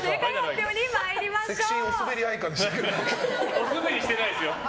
おスベリしてないですよ。